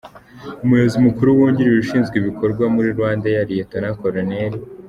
Umuyobozi Mukuru wungirije ushinzwe Ibikorwa muri RwandAir, Lt.Col.